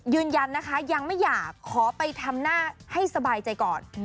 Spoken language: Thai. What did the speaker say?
ยืนยันนะคะยังไม่อยากขอไปทำหน้าให้สบายใจก่อน